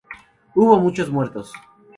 Hubo muchos muertos.